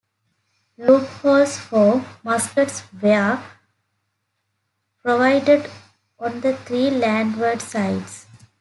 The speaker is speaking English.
Loopholes for muskets were provided on the three landward sides.